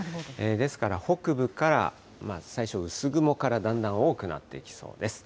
ですから北部から最初、薄雲からだんだん多くなってきそうです。